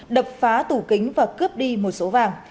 đập phá tủ kính và cướp đi một số vàng